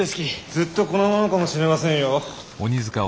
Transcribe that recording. ずっとこのままかもしれませんよ。